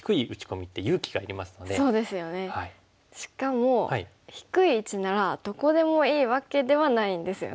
しかも低い位置ならどこでもいいわけではないんですよね。